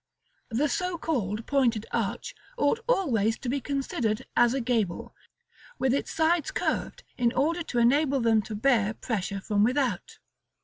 The so called pointed arch ought always to be considered as a gable, with its sides curved in order to enable them to bear pressure from without.